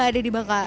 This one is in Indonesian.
enggak senang aja